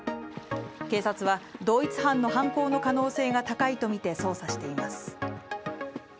警察は、同一犯の犯行の可能性が高いとみて、捜査しています。